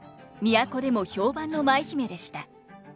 都でも評判の舞姫でした。